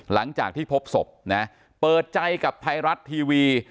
หลังจากที่พบศพนะเปิดใจกับไทยรัฐทีวี